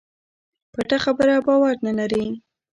پټه خبره باور نه لري.